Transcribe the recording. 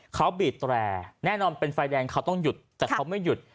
เขาบีบแตร่แน่นอนเป็นไฟแดงเขาต้องหยุดแต่เขาไม่หยุด